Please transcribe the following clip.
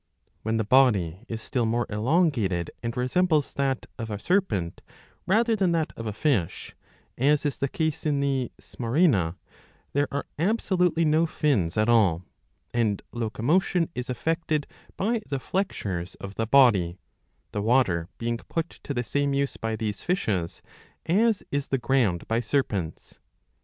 ^" When the body is still more elongated, and resembles that of a serpent rather than that of a fish, as is the case in the Smyraena,^^ there are absolutely no fins at all; and locomotion ^^ is effected by the flexures of the body, the water being put to the same use by these fishes as is the ground by serpents.